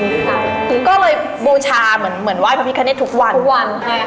ครับก็เลยบูชาเหมือนเหมือนว่าให้พระพิการเน็ตทุกวันทุกวันใช่